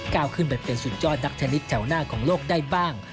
ก้าวขึ้นไปเป็นสุดยอดนักเทนนิสแถวหน้าของโลกได้บ้าง